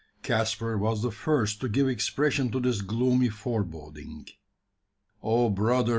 Caspar was the first to give expression to this gloomy foreboding. "Oh, brother!"